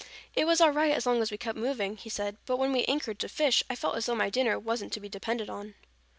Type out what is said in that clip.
"It was all right as long as we kept moving," he said, "but when we anchored to fish, I felt as though my dinner wasn't to be depended upon."